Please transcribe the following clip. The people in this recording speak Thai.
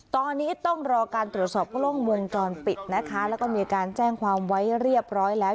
ตอนนี้ต้องรอการตรวจสอบกล้องวงจรปิดนะคะแล้วก็มีการแจ้งความไว้เรียบร้อยแล้ว